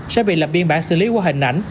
sẽ bị lập biên bản xử lý qua hình ảnh